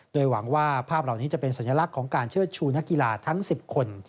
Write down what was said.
โดยหวังว่าภาพเหล่านี้จะเป็นสัญลักษณ์ของการเชิดชูนักกีฬาทั้ง๑๐คน